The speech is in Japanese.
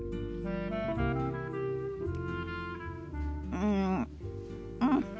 うんうん。